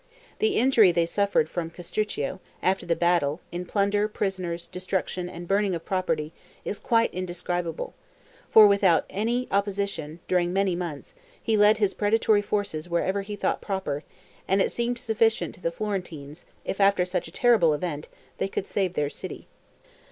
The injury they suffered from Castruccio, after the battle, in plunder, prisoners, destruction, and burning of property, is quite indescribable; for, without any opposition, during many months, he led his predatory forces wherever he thought proper, and it seemed sufficient to the Florentines if, after such a terrible event, they could save their city.